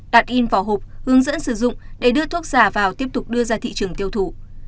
đặt in vỏ hộp hướng dẫn sử dụng để đưa thuốc giả vào tiếp tục đưa ra thị trường tiêu thụ